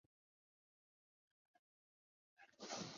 私人地方的一边有喷水池。